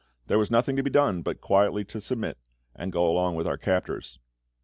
There was nothing to be done but quietly to submit, and go along with our captors.